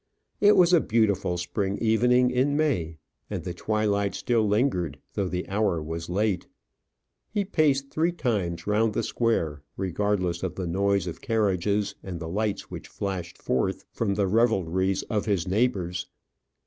It was a beautiful spring evening in May, and the twilight still lingered, though the hour was late. He paced three times round the square, regardless of the noise of carriages and the lights which flashed forth from the revelries of his neighbours.